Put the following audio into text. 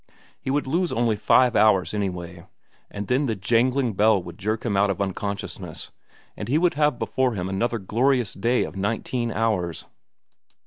He would lose only five hours anyway, and then the jangling bell would jerk him out of unconsciousness and he would have before him another glorious day of nineteen hours.